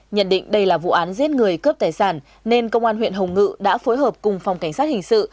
nhận định đây là vụ án giết người cướp tài sản nên công an huyện hồng ngự đã phối hợp cùng phòng cảnh sát hình sự